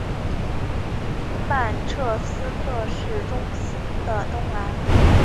曼彻斯特市中心的东南。